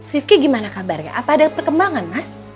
rifki gimana kabarnya apa ada perkembangan mas